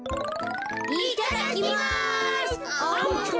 いただきます。